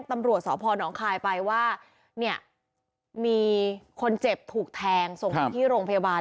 ตำรวจสพนคายไปว่าเนี่ยมีคนเจ็บถูกแทงส่งไปที่โรงพยาบาล